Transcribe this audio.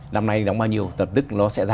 năm nay đóng bao nhiêu tập tức nó sẽ ra